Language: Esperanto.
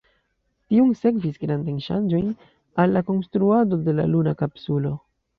Tiun sekvis grandajn ŝanĝojn al la konstruado de la luna kapsulo.